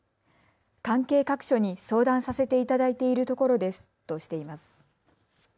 関係各所に相談させていただいているところですとしています。